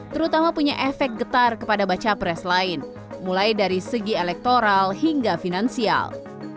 terutama punya efek getar kepada baca pres lain mulai dari segi elektoral hingga finansial